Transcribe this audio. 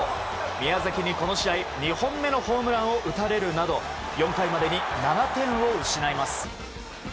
宮崎にこの試合、２本目のホームランを打たれるなど４回までに７点を失います。